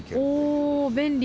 お便利。